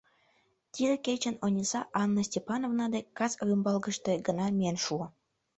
Тиде кечын Ониса Анна Степановна дек кас рӱмбалгыште гына миен шуо.